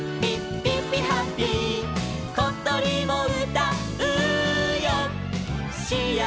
「ことりもうたうよ